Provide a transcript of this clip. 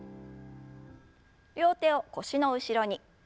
両手を腰の後ろに。